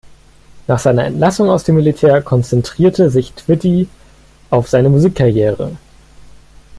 Nach seiner Entlassung aus dem Militär konzentrierte sich Twitty auf seine Musikkarriere.